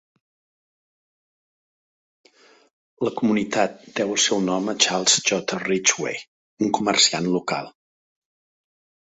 La comunitat deu el seu nom a Charles J. Ridgeway, un comerciant local.